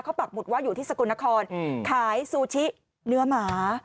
เขาปักหมุดว่าอยู่ที่สกลนครขายซูชิเนื้อหมา